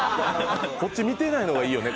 こっち見てないのがいいよね。